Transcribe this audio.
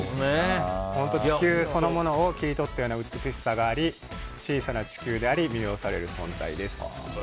地球そのものを切り取ったような美しさがあり小さな地球であり魅了される存在です。